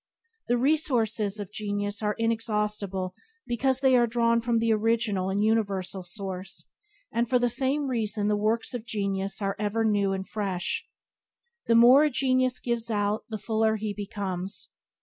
The resources of genius are inexhaustible because they are drawn from the original and universal source, and for the same reason the works of genius are ever new and fresh. The more a genius gives out the fuller he becomes.